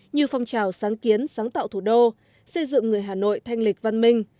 như phong trào sáng kiến sáng tạo thủ đô xây dựng người hà nội thanh lịch văn minh